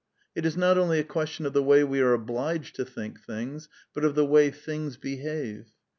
It is not only a question of the way we are obliged to think things, but of the way things behave.